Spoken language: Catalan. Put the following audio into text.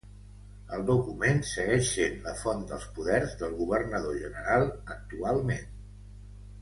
El document segueix sent la font dels poders del Governador General actualment.